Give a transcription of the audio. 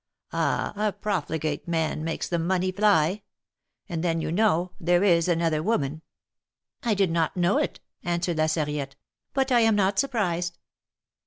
Ah ! a profligate man makes the money fly ! And then, you know, there is another woman —" I did not know it," answered La Sarriette, but I am not surprised."